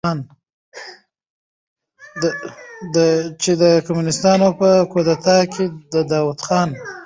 چې د کمونستانو په کودتا کې د داؤد خان